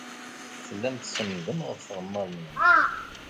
Tellam tsenndem ɣef tɣemmar-nwen.